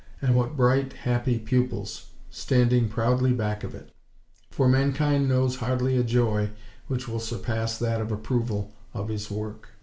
And what bright, happy pupils, standing proudly back of it! For mankind knows hardly a joy which will surpass that of approval of his work.